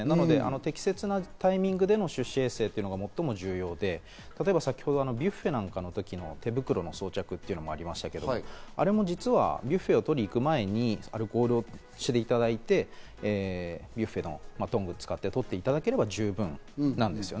適切なタイミングでの手指衛生が必要で、ビュッフェなんかの手袋の装着というのがありましたけど、あれも実はビュッフェを取りに行く前に、アルコールをしていただいて、ビュッフェのトングを使って取っていただければ十分なんです。